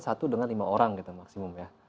satu dengan lima orang gitu maksimum ya